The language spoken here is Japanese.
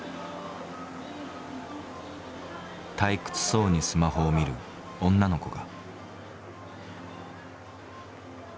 退屈そうにスマホを見る女の子が。